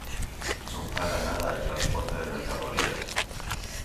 Non fala nada de transporte de mercadorías.